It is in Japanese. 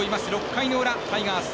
６回の裏タイガース。